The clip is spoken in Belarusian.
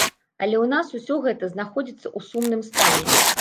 Але ў нас усё гэта знаходзіцца ў сумным стане.